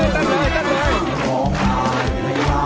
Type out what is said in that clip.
ตั้งตอน